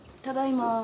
ただいま。